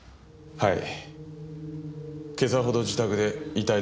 はい。